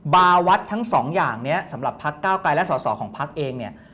บาวัดทั้งสองอย่างนี้สำหรับพักก้าวกลัยและส่อของพักเอง